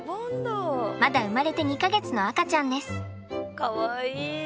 まだ生まれて２か月の赤ちゃんです。